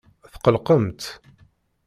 Tqellqemt.